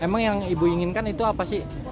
emang yang ibu inginkan itu apa sih